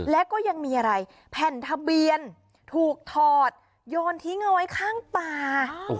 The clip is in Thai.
แล้วก็ยังมีอะไรแผ่นทะเบียนถูกถอดโยนทิ้งเอาไว้ข้างป่า